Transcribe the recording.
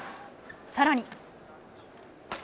さらに。